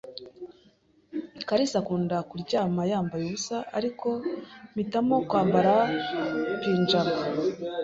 kalisa akunda kuryama yambaye ubusa, ariko mpitamo kwambara pajama.